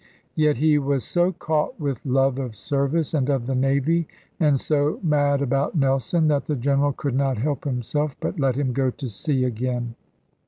Yet he was so caught with love of service, and of the Navy, and so mad about Nelson, that the General could not help himself; but let him go to sea again.